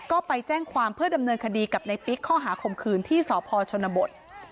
ก็ไปแจ้งความเพื่อดำเนินคดีกับในปิ๊กข้อหาข่มขืนที่สพชนบท